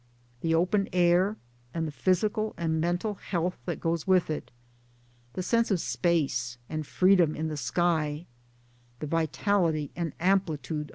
The open air, and the physical and mental health that goes with it, the sense of space and freedom in the Sky, the vitality and amplitude